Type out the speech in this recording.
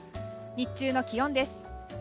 日中の気温です。